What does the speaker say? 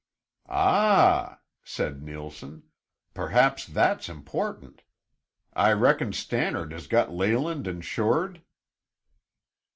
"Ah," said Neilson, "perhaps that's important! I reckon Stannard has got Leyland insured?"